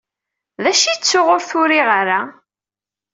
D acu i ttuɣ ur t-uriɣ ara?